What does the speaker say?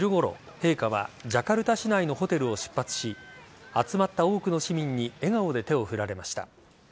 陛下はジャカルタ市内のホテルを出発し集まった多くの市民に笑顔で手を振られました。